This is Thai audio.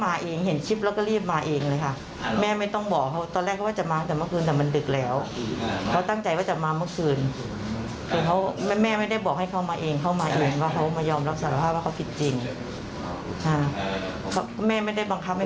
อันนี้ก็ไม่แน่ใจแล้วก็ตอนนี้อยู่ระหว่างหางานทำค่ะ